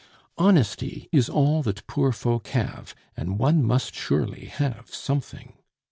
Honesty is all that poor folk have, and one must surely have something!